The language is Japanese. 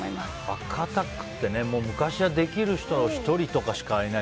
バックアタックって昔はできる人は１人とかしかいない